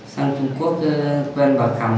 sang trung quốc tuấn vào khầm